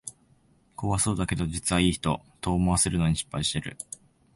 怖そうだけど実はいい人、と思わせるのに失敗してる